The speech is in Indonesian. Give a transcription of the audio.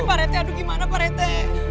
tapi pak rete gimana pak rete